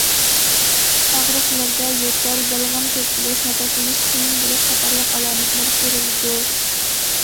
ئاغرىقلاردا يۆتەل، بەلغەم كۆپ بولۇش، نەپەسلىنىش قىيىن بولۇش قاتارلىق ئالامەتلەر كۆرۈلىدۇ.